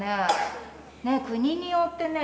国によってね